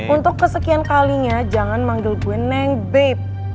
untuk kesekian kalinya jangan manggil gue neng babe